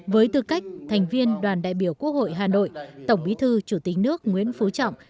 với tư cách thành viên đoàn đại biểu quốc hội hà nội tổng bí thư chủ tịch nước nguyễn phú trọng